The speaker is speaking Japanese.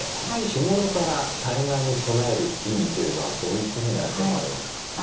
日頃から災害に備える意味というのはどういうことにあると思われますか？